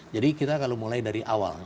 jadi kita kalau mulai dari awal